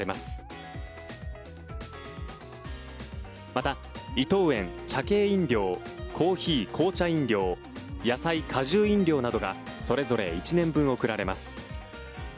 また、伊藤園茶系飲料、コーヒー・紅茶飲料野菜・果汁飲料などがそれぞれ１年分贈られます。